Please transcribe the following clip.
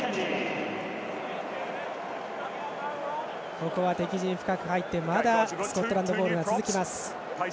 ここは敵陣深く入ってまだスコットランドボールが続きます。